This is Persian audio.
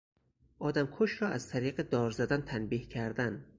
آدمکش را از طریق دار زدن تنبیه کردن